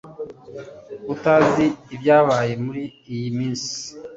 utazi ibyabaye muri iyi minsi?